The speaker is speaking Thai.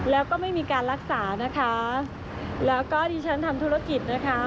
แล้วก็ไม่มีการรักษานะคะแล้วก็ดิฉันทำธุรกิจนะคะ